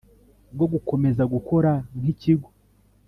bwo gukomeza gukora nki kigo